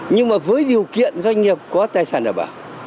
nhưng mà với điều kiện doanh nghiệp có tài sản đảm bảo